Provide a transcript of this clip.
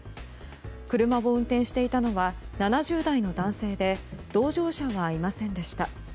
車を運転していたのは７０代の男性で同乗者はいませんでした。